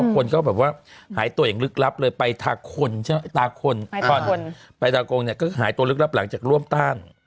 คนก็แบบว่าหายตัวอย่างลึกลับเลยไปตาคนใช่ไหมตาคนไปตากงเนี่ยก็หายตัวลึกลับหลังจากร่วมต้าน